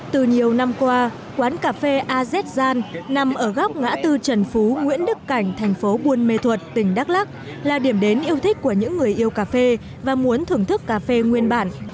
từ nhiều năm qua quán cà phê azer nằm ở góc ngã tư trần phú nguyễn đức cảnh thành phố buôn mê thuật tỉnh đắk lắc là điểm đến yêu thích của những người yêu cà phê và muốn thưởng thức cà phê nguyên bản